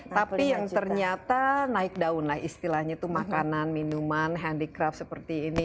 tapi yang ternyata naik daun lah istilahnya itu makanan minuman handicraft seperti ini